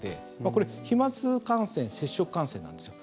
これ、飛まつ感染接触感染なんですよ。